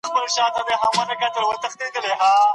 دوی وايي چي سانسور د علم دښمن دی.